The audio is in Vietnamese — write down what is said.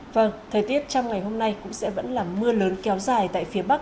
vâng thời tiết trong ngày hôm nay cũng sẽ vẫn là mưa lớn kéo dài tại phía bắc